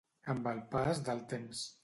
Amb el pas del temps.